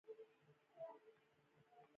ایا زه باید په رڼا کې ویده شم؟